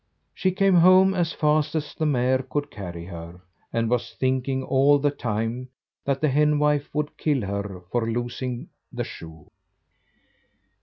She came home as fast as the mare could carry her, and was thinking all the time that the henwife would kill her for losing the shoe.